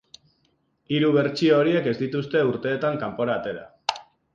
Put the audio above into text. Hiru bertsio horiek ez dituzte urtetan kanpora atera.